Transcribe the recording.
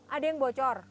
ada yang bocor